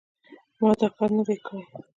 ما دا کار نه دی کړی.